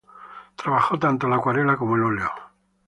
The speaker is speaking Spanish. Trabajó tanto la acuarela como el óleo.